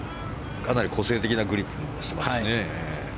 かなり個性的なグリップもしてますしね。